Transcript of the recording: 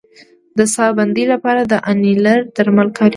د ساه بندۍ لپاره د انیلر درمل کارېږي.